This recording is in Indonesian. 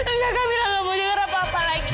enggak kamila gak mau denger apa apa lagi